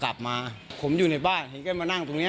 ก็เลยไม่รู้ว่าวันเกิดเหตุคือมีอาการมืนเมาอะไรบ้างหรือเปล่า